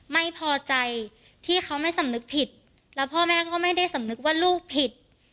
ไม่พอใจที่เขาไม่สำนึกผิดแล้วพ่อแม่ก็ไม่ได้สำนึกว่าลูกผิด